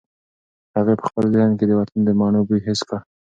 هغې په خپل ذهن کې د وطن د مڼو بوی حس کړ.